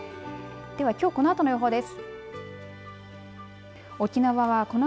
では、きょうこのあとの予報です。